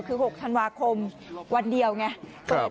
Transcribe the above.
คือ๖ธันวาคมวันเดียวไง